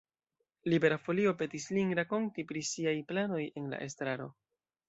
Libera Folio petis lin rakonti pri siaj planoj en la estraro.